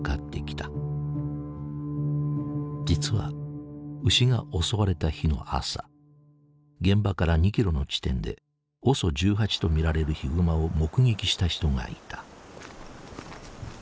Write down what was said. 実は牛が襲われた日の朝現場から２キロの地点でＯＳＯ１８と見られるヒグマを目撃した人がいた。